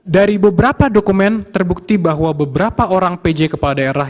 dari beberapa dokumen terbukti bahwa beberapa orang pj kepala daerah